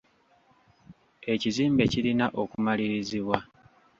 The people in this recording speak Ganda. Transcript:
Ekizimbe kirina okumalirizibwa.